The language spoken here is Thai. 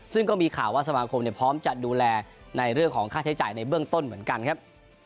ซึ่งก็มีข่าวว่าสมาคมพร้อมจะดูแลในเรื่องของค่าใช้จ่ายในเบื้องต้นเหมือนกันครับ